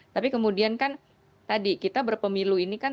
tapi kemudian kan tadi kita berpemilu ini kan